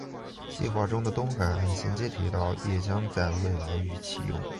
计划中的东海岸衔接铁道也将在未来于启用。